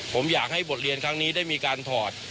ผมอยากให้บทเรียนครั้งนี้ได้มีการถอด